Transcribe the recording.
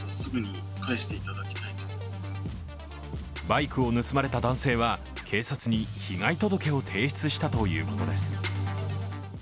バイクを盗まれた男性は警察に被害届を提出したということです。